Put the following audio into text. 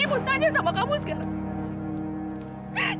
ibu tanya sama kamu sekarang